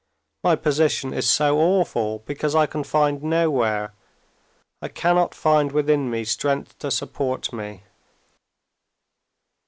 "My position is so awful because I can find nowhere, I cannot find within me strength to support me."